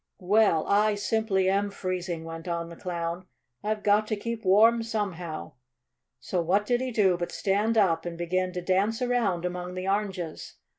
"Well, I simply am freezing!" went on the Clown. "I've got to keep warm, somehow!" So what did he do but stand up and begin to dance around among the oranges.